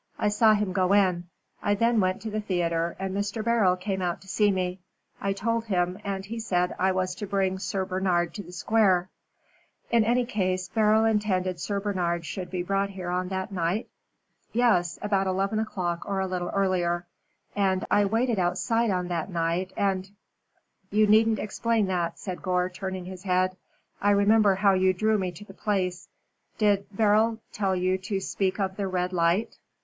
"I saw him go in. I then went to the theatre, and Mr. Beryl came out to see me. I told him, and he said I was to bring Sir Bernard to the Square." "In any case, Beryl intended Sir Bernard should be brought there on that night?" "Yes. About eleven o'clock or a little earlier. And I waited outside on that night and " "You needn't explain that," said Gore, turning his head. "I remember how you drew me to the place. Did Beryl tell you to speak of the Red Light?"